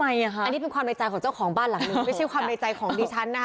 อันนี้เป็นความในใจของเจ้าของบ้านหลังหนึ่งไม่ใช่ความในใจของดิฉันนะคะ